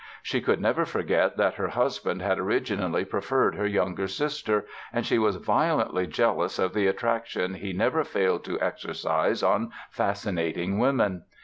She could never forget that her husband had originally preferred her younger sister and she was violently jealous of the attraction he never failed to exercise on fascinating women.